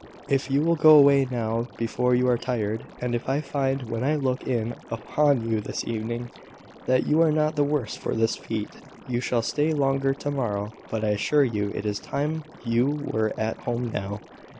If you will go away now before you are tired, and if I find when I look in upon you this evening, that you are not the worse for this feat, you shall stay longer to morrow. But I assure you it is time you were at home now.